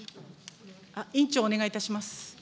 委員長、お願いいたします。